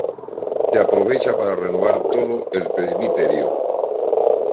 Se aprovecha para renovar todo el presbiterio.